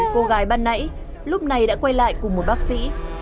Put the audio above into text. cô gái ban nãy lúc này đã quay lại cùng một bác sĩ